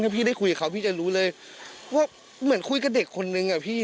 ถ้าพี่ได้คุยกับเขาพี่จะรู้เลยว่าเหมือนคุยกับเด็กคนนึงอะพี่